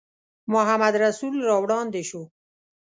محمدرسول را وړاندې شو.